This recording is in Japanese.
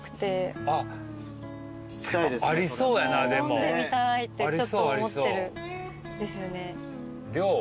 飲んでみたいってちょっと思ってるんですよね。